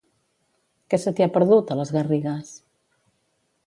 Què se t'hi ha perdut, a les Garrigues?